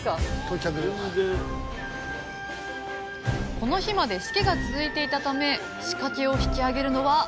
この日までしけが続いていたため仕掛けを引き揚げるのは３日ぶり。